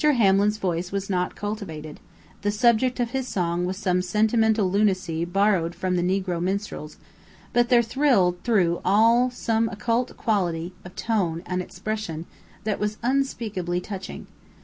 Hamlin's voice was not cultivated; the subject of his song was some sentimental lunacy borrowed from the Negro minstrels; but there thrilled through all some occult quality of tone and expression that was unspeakably touching.